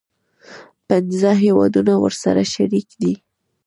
پنځه هیوادونه ورسره شریک دي.